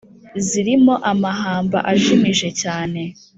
zirimo amahamba ajimije cyane